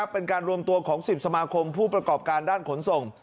เป็นการรวมตัวของ๑๐สมาคมผู้ประกอบการด้านขนส่ง